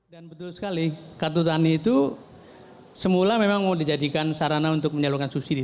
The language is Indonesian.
dan betul sekali kartu tani itu semula memang mau dijadikan sarana untuk menyalurkan subsidi